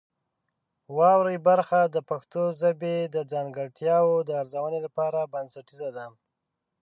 واورئ برخه د پښتو ژبې د ځانګړتیاوو د ارزونې لپاره بنسټیزه ده.